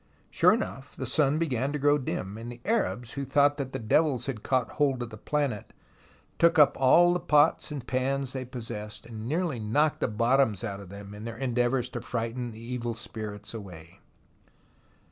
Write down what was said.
Sure enough the sun began to grow dim, and the Arabs, who thought that devils had caught hold of the planet, took up all the pots and pans they possessed, and nearly knocked the bottoms out of them in their endeavours to frighten the evil spirits away